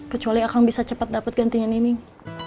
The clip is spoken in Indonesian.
kecuali akang bisa cepat dapat gantinya nining